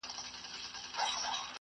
وینټیلیټر ماشین څه کار کوي؟